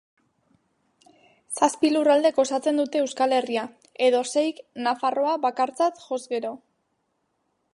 Zazpi lurraldek osatzen dute Euskal Herria, edo seik, Nafarroa bakartzat joz gero.